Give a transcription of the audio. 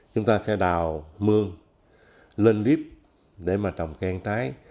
chúng ta sẽ đào mương lên líp để mà trồng cây ăn trái